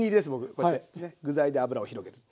こうやって具材で油を広げる。